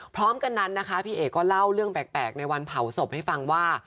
พร้อมกันนั้นนะคะพี่เอกก็เล่าเรื่องแปลกในวันเผาศพให้ฟังว่า